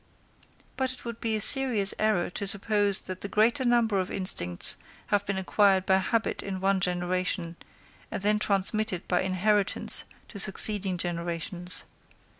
But it would be a serious error to suppose that the greater number of instincts have been acquired by habit in one generation, and then transmitted by inheritance to succeeding generations.